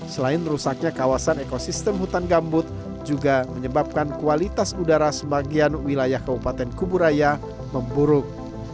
selain rusaknya kawasan ekosistem hutan gambut juga menyebabkan kualitas udara sebagian wilayah kabupaten kuburaya memburuk